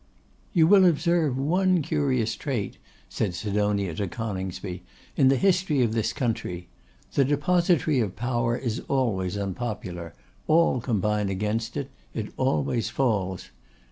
'You will observe one curious trait,' said Sidonia to Coningsby, 'in the history of this country: the depository of power is always unpopular; all combine against it; it always falls.